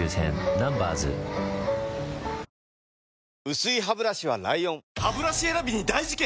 薄いハブラシは ＬＩＯＮハブラシ選びに大事件！